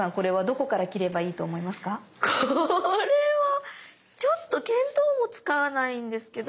これはちょっと見当もつかないんですけど。